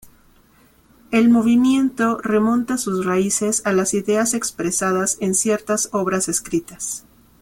El movimiento remonta sus raíces a las ideas expresadas en ciertas obras escritas.